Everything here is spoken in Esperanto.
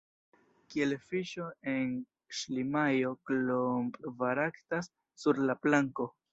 Kiel fiŝo en ŝlimajo Klomp baraktas sur la planko.